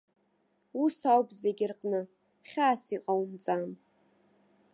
Ус ауп зегьы рҟны, хьаас иҟаумҵан.